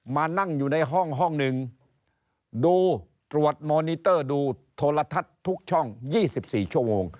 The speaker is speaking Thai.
มานั่งอยู่ในห้องห้องหนึ่งดูตรวจโมนิเตอร์ดูโทรทัศน์ทุกช่อง๒๔ชั่วโมง